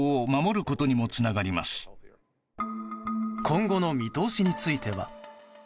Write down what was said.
今後の見通しについては。